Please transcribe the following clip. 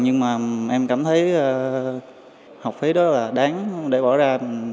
nhưng mà em cảm thấy học phí đó là đáng để bỏ ra